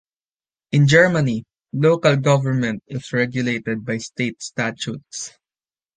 In Germany local government is regulated by state statutes.